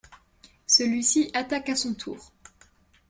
Celui-ci attaque à son tour.